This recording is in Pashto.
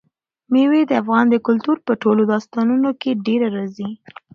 مېوې د افغان کلتور په ټولو داستانونو کې ډېره راځي.